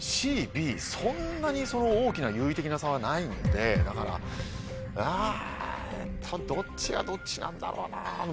そんなに大きな有意的な差はないのでだからあっとどっちがどっちなんだろうな？